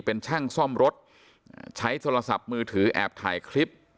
เป็นช่างซ่อมรถใช้โทรศัพท์มือถือแอบถ่ายคลิป